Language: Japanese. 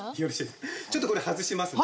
ちょっとこれ外しますね。